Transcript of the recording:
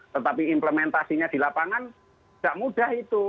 tetapi implementasinya di lapangan tidak mudah itu